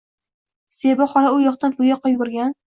Zebi xola u yoqdan-bu yoqqa yugurgan.